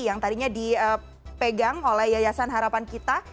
yang tadinya dipegang oleh yayasan harapan kita